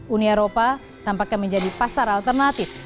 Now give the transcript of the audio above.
uni eropa tampaknya menjadi pasar alternatif